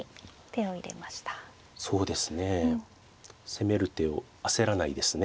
攻める手を焦らないですね。